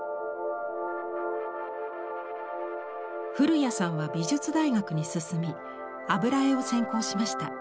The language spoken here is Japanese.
古屋さんは美術大学に進み油絵を専攻しました。